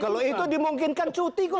kalau itu dimungkinkan cuti kok